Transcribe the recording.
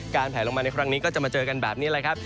แผลลงมาในครั้งนี้ก็จะมาเจอกันแบบนี้แหละครับ